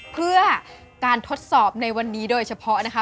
เพื่อการทดสอบในวันนี้โดยเฉพาะนะคะ